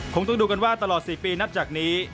คงต้องดูกันว่าตลอด๔ปีนับจากนี้